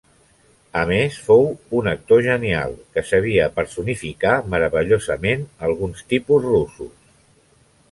A més, fou, un actor genial, que sabia personificar meravellosament alguns tipus russos.